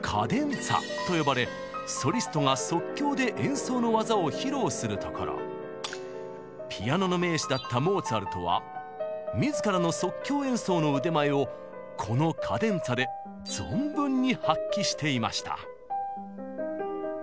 音符の書かれていないこの部分はピアノの名手だったモーツァルトは自らの即興演奏の腕前をこのカデンツァで存分に発揮していました。